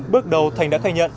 bước đầu thành đã khai nhận